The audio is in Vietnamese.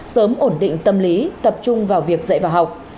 sớm ổn định tâm lý tập trung vào việc dạy và học